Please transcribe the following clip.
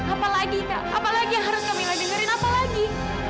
apa lagi kak apa lagi yang harus kamila dengerin apa lagi